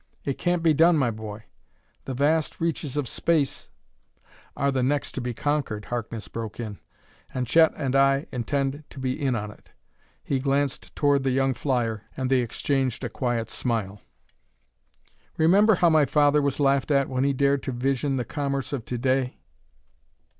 It can't be done, my boy; the vast reaches of space " "Are the next to be conquered," Harkness broke in. "And Chet and I intend to be in on it." He glanced toward the young flyer, and they exchanged a quiet smile. "Remember how my father was laughed at when he dared to vision the commerce of to day?